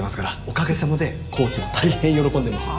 おかげさまでコーチも大変喜んでました。